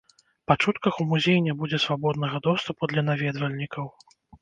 Па чутках у музей не будзе свабоднага доступу для наведвальнікаў.